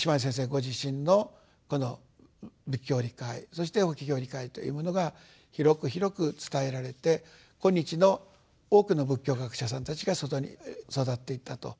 ご自身のこの仏教理解そして法華経理解というものが広く広く伝えられて今日の多くの仏教学者さんたちが外に育っていったと。